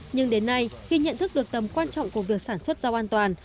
nhưng đến nay khi nhận thức được tầm quan trọng của việc sản xuất rau an toàn